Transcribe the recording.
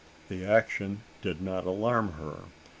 The action did not alarm her.